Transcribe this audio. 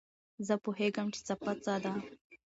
زه پوهېږم چې څپه څه ده.